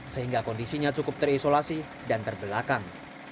sehingga kondisinya cukup terisolasi dan terbelakang